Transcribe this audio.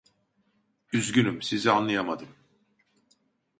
üzgünüm sizi anlayamadım